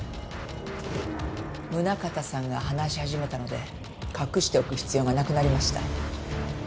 宗形さんが話し始めたので隠しておく必要がなくなりました。